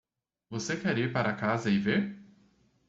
Você quer ir para casa e ver?